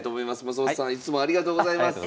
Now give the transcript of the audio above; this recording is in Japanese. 松本さんいつもありがとうございます。